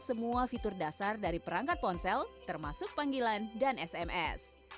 semua fitur dasar dari perangkat ponsel termasuk panggilan dan sms